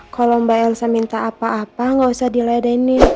kalau mbak elsa minta apa apa gak usah diledainin